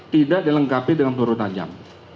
tidak dilengkapi dengan peluru tajam